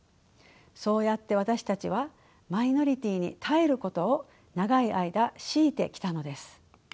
そうやって私たちはマイノリティーに耐えることを長い間強いてきたのです。